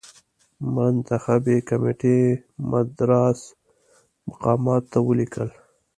منتخبي کمېټې مدراس مقاماتو ته ولیکل.